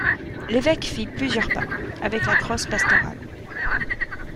L'évêque fit plusieurs pas, avec la crosse pastorale.